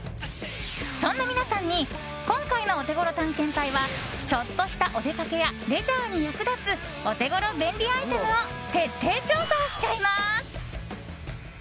そんな皆さんに今回のオテゴロ探検隊はちょっとしたお出かけやレジャーに役立つオテゴロ便利アイテムを徹底調査しちゃいます！